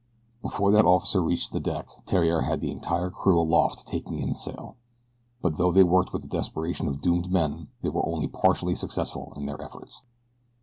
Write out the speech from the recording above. Before that officer reached the deck Theriere had the entire crew aloft taking in sail; but though they worked with the desperation of doomed men they were only partially successful in their efforts.